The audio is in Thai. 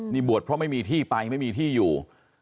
นี่บวชเพราะไม่มีที่ไปไม่มีที่อยู่